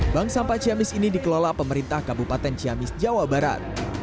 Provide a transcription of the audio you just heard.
bank sampah ciamis ini dikelola pemerintah kabupaten ciamis jawa barat